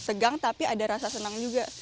segang tapi ada rasa senang juga